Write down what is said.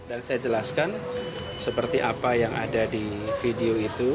dan saya jelaskan seperti apa yang ada di video itu